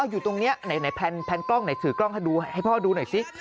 อยู่ตรงนี้ไหนแพนกล้องไหนถือกล้องให้ดูให้พ่อดูหน่อยซิ